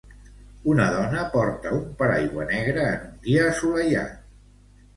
Una dona porta un paraigua negre en un dia assolellat.